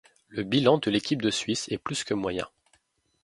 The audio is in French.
Le bilan de l'équipe de Suisse est plus que moyen.